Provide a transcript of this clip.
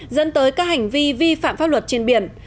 dẫn tới các hành vi vi phạm pháp luật trên biển